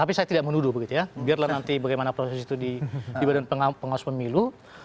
tapi saya tidak menuduh begitu ya biarlah nanti bagaimana proses itu di badan pengawas pemilu